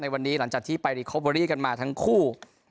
ในวันนี้หลังจากที่ไปกันมาทั้งคู่